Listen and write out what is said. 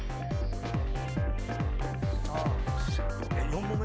４問目？